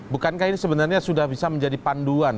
bukankah ini sebenarnya sudah bisa menjadi panduan